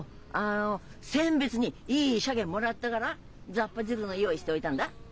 あの餞別にいいシャケもらったからざっぱ汁の用意しておいたんだ。